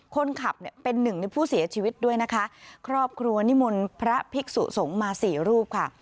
คนขับเนี่ยเป็นหนึ่งในผู้เสียชีวิตด้วยนะคะครอบครัวนิมนต์พระภิกษุสงฆ์มาสี่รูปค่ะ